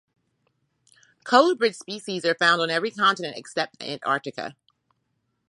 Colubrid species are found on every continent except Antarctica.